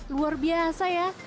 luar biasa ya